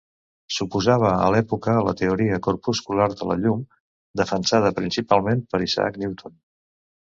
S'oposava a l'època a la teoria corpuscular de la llum, defensada principalment per Isaac Newton.